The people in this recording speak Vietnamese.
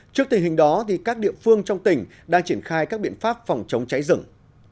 trước tình hình đó các địa phương trong tỉnh đang triển khai các biện pháp phòng chống cháy rừng